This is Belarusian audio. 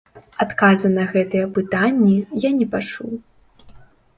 Адказы на гэтыя пытанні я не пачуў.